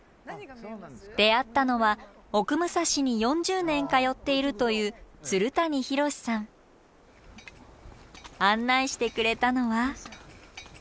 出会ったのは奥武蔵に４０年通っているという案内してくれたのは。